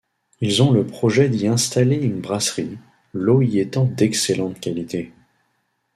Ils ont le projet d'y installer une brasserie, l'eau y étant d'excellente qualité.